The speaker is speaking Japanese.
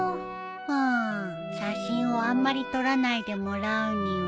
うん写真をあんまり撮らないでもらうには。